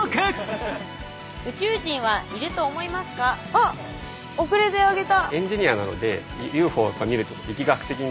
あっ遅れて挙げた。